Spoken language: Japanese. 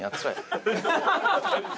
ハハハハ！